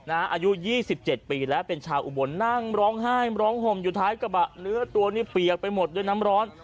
อายุ๒๗ปีแล้วเป็นชาวอุบลนั่งร้องไห้ร้องห่มอยู่ท้ายกระบะเนื้อตัวนี้เปียกไปหมดด้วยน้ำร้อน